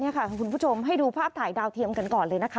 คุณผู้ชมให้ดูภาพถ่ายดาวเทียมกันก่อนเลยนะคะ